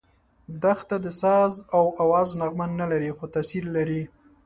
دښته د ساز او آواز نغمه نه لري، خو تاثیر لري.